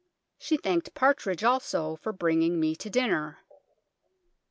She thancked Partrige also for bringing me to dyner.